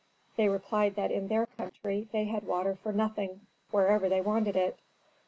They replied that in their country they had water for nothing wherever they wanted it.